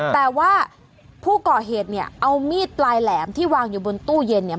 แต่ว่าผู้ก่อเหตุเนี่ยเอามีดปลายแหลมที่วางอยู่บนตู้เย็นเนี่ย